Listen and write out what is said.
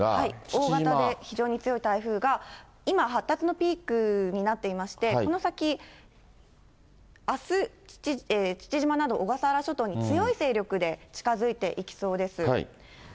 大型で非常に強い台風が、今、発達のピークになっていまして、この先、あす、父島など小笠原諸島に強い勢力で近づいていきそうです。